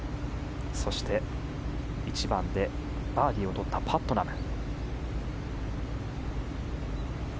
そして、１番でバーディーをとったパットナム。